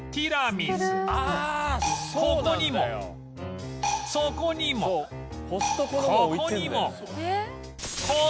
ここにもそこにもここにも